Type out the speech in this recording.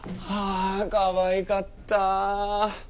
あかわいかった！